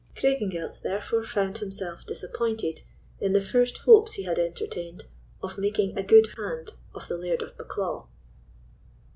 Craigengelt, therefore, found himself disappointed in the first hopes he had entertained of making a good hand of the Laird of Bucklaw.